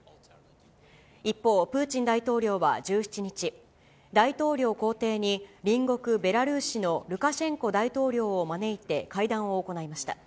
一方、プーチン大統領は１７日、大統領公邸に隣国、ベラルーシのルカシェンコ大統領を招いて会談を行いました。